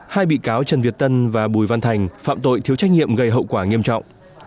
hai bị cáo trần việt tân và bùi văn thành phạm tội thiếu trách nhiệm gây hậu quả nghiêm trọng